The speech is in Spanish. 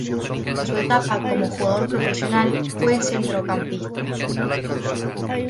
En su etapa como jugador profesional fue centrocampista.